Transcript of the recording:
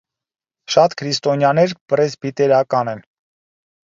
Շատ քրիստոնյաներ պրեսբիտերական են։